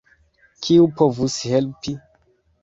Kiu povus helpi?